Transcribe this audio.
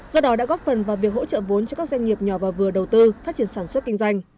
do đó đã góp phần vào việc hỗ trợ vốn cho các doanh nghiệp nhỏ và vừa đầu tư phát triển sản xuất kinh doanh